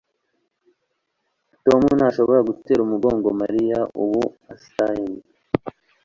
Tom ntashobora gutera umugongo Mariya ubu astyng